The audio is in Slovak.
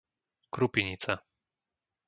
Krupinica